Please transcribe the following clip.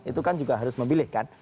itu kan juga harus memilih kan